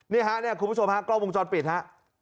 นี่ฮะเนี่ยคุณผู้ชมฮะกล้องวงจรปิดฮะ